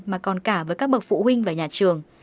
mà còn cả với các bậc phụ huynh và nhà trường